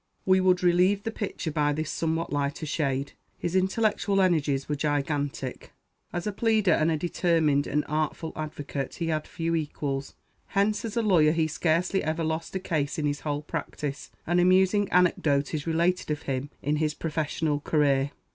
We would relieve the picture by this somewhat lighter shade. "His intellectual energies were gigantic. As a pleader and a determined and artful advocate, he had few equals. Hence, as a lawyer, he scarcely ever lost a case in his whole practice." An amusing anecdote is related of him in his professional career.